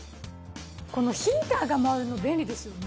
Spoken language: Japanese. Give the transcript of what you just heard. このヒーターが回るの便利ですよね。